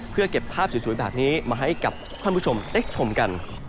เพื่อเก็บภาพสวยแบบนี้มาให้กับท่านผู้ชมได้ชมกัน